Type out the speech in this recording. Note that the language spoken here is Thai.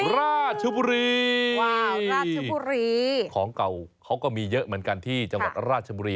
ราชบุรีราชบุรีของเก่าเขาก็มีเยอะเหมือนกันที่จังหวัดราชบุรี